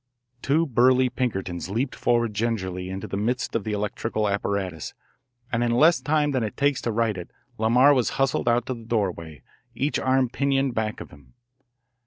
Two burly Pinkertons leaped forward gingerly into the midst of the electrical apparatus, and in less time than it takes to write it Lamar was hustled out to the doorway, each arm pinioned back of him.